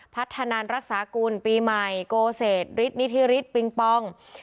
พัฒนารักษากลปีใหม่โกเสตนิทริสต์ปิงปอง